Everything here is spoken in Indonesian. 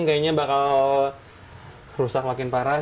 kayaknya bakal rusak makin parah